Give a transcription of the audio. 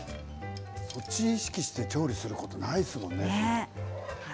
そっちを意識して調理すること、ないですものね。